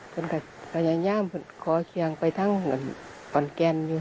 ฉันก็ยังย่ามขอเชียงไปทั้งก่อนแกนไป